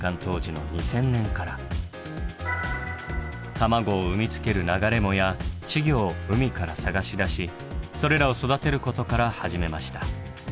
卵を産み付ける流れ藻や稚魚を海から探し出しそれらを育てることから始めました。